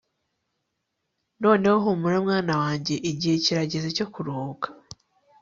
noneho humura mwana wanjye, igihe kirageze cyo kuruhuka